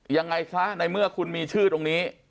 ยังไงซะในเมื่อคุณมีชื่อตรงนี้